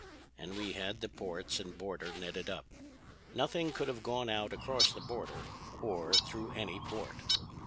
And we had the ports and border netted up. Nothing could have gone out across the border or, through any port.